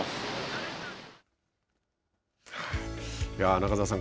中澤さん